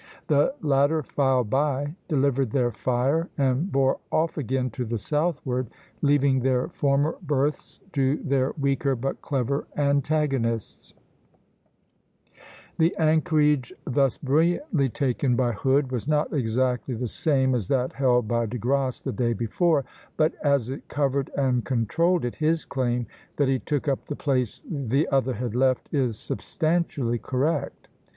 The latter filed by, delivered their fire, and bore off again to the southward, leaving their former berths to their weaker but clever antagonists. [Illustration: Pl. XIX. HOOD & DE GRASSE. JAN. 25, 1782.] The anchorage thus brilliantly taken by Hood was not exactly the same as that held by De Grasse the day before; but as it covered and controlled it, his claim that he took up the place the other had left is substantially correct.